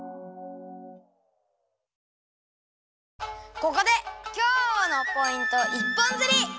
ここで今日のポイント一本釣り！